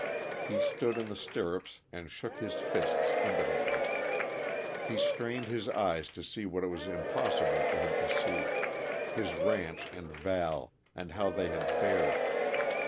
He stood in the stirrups and shook his fists impotently. He strained his eyes to see what it was impossible for him to see his ranch and Val, and how they had fared.